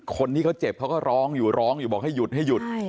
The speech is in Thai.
คนที่เขาเจ็บเขาก็ร้องอยู่ร้องอยู่บอกให้หยุดให้หยุด